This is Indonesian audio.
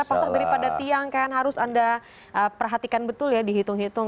masak daripada tiang kan harus anda perhatikan betul ya dihitung hitung